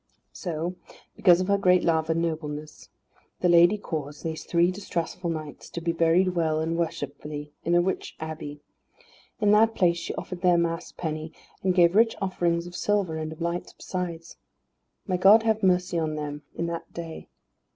So, because of her great love and nobleness, the lady caused these three distressful knights to be buried well and worshipfully in a rich abbey. In that place she offered their Mass penny, and gave rich offerings of silver and of lights besides. May God have mercy on them in that day.